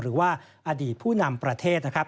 หรือว่าอดีตผู้นำประเทศนะครับ